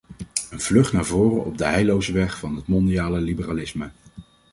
Een vlucht naar voren op de heilloze weg van het mondiale liberalisme!